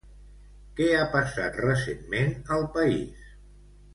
Què ha passat recentment al país?